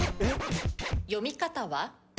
読み方は？